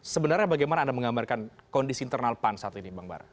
sebenarnya bagaimana anda menggambarkan kondisi internal pan saat ini bang bara